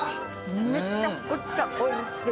めちゃくちゃおいしい。